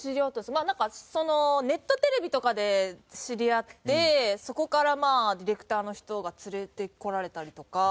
まあなんかそのネットテレビとかで知り合ってそこからまあディレクターの人が連れてこられたりとか。